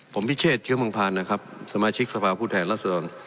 ผมพิเชษเชียวมังพลันนะครับสมาชิกสภาพผู้แทนลักษณ์รวม